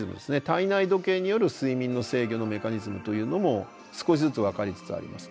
体内時計による睡眠の制御のメカニズムというのも少しずつ分かりつつあります。